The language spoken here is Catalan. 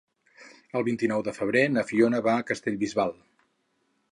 El vint-i-nou de febrer na Fiona va a Castellbisbal.